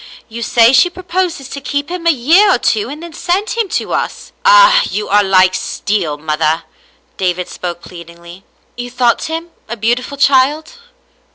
You say she proposes to keep him a year or two and then send him to us." *' Ah, you are like steel, mother." David spoke plead ingly, *' You thought him a beautiful child